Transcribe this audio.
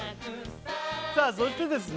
さあそしてですね